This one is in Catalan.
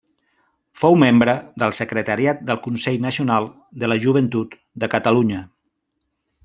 Fou membre del secretariat del Consell Nacional de la Joventut de Catalunya.